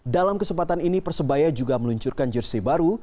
dalam kesempatan ini persebaya juga meluncurkan jersey baru